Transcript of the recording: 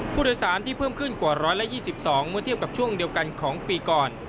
ผู้โดยสารที่เพิ่มขึ้นกว่า๑๒๒เมื่อเทียบกับช่วงเดียวกันของปีก่อน